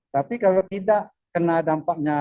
tapi kalau tidak kena dampaknya